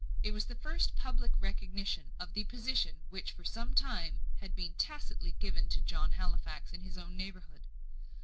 It was the first public recognition of the position which for some time had been tacitly given to John Halifax in his own neighbourhood.